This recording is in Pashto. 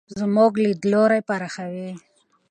زموږ لیدلوری پراخوي.